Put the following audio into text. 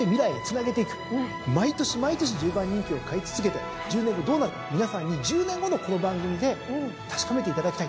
毎年毎年１０番人気を買い続けて１０年後どうなるか皆さんに１０年後のこの番組で確かめていただきたい。